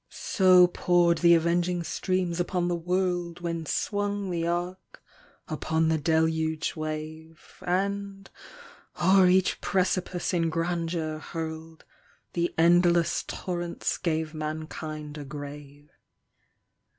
So poured the avenging streams upon the world When swung the ark upon the deluge wave, And, o'er each precipice in grandeur hurled, The endless torrents gave mankind a grave.